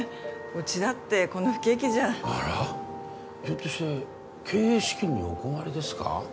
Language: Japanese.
うちだってこの不景気じゃあらひょっとして経営資金にお困りですか？